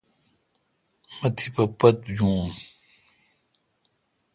مہ تیپہ پتھ یون۔